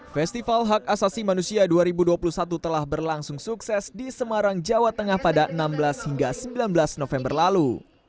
festival hak asasi manusia dua ribu dua puluh satu telah berlangsung sukses di semarang jawa tengah pada enam belas hingga sembilan belas november lalu